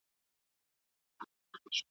د پښتونستان د ورځي `